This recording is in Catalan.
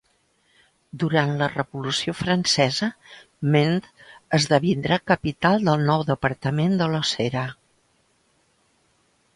Durant la Revolució Francesa Mende esdevindrà capital del nou departament de Losera.